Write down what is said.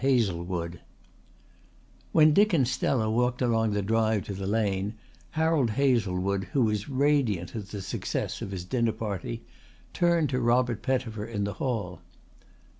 HAZLEWOOD When Dick and Stella walked along the drive to the lane Harold Hazlewood, who was radiant at the success of his dinner party, turned to Robert Pettifer in the hall.